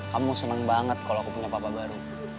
kamu senang banget kalau aku punya papa baru